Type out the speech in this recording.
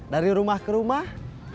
dari rumah ke rumah